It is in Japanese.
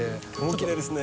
きれいですね。